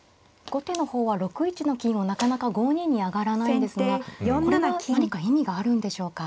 後手の方は６一の金をなかなか５二に上がらないんですがこれは何か意味があるんでしょうか。